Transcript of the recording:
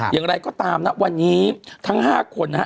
อย่างไรก็ตามนะวันนี้ทั้ง๕คนนะฮะ